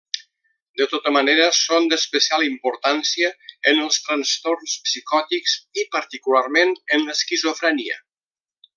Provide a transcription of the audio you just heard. De tota manera, són d'especial importància en els trastorns psicòtics i particularment en l'esquizofrènia.